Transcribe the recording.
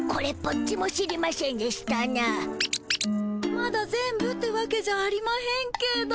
まだ全部ってわけじゃありまへんけど。